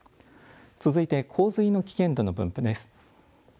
続いて洪水の危険度の分布です。